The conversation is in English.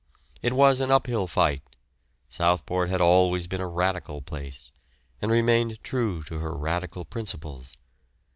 It was an uphill fight; Southport had always been a Radical place, and remained true to her Radical principles.